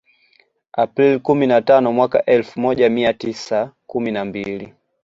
Aprili kumi na tano mwaka elfu moja mia tisa kumi na mbili